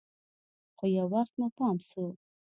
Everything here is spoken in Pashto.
خو يو وخت مو پام سو.